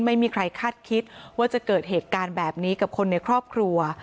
ไม่มีใครคาดคิดว่าจะเกิดเหตุการณ์แบบนี้กับคนในครอบครัว